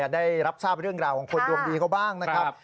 ได้รับทราบเรื่องราวของคนดวงดีเขาบ้างนะครับ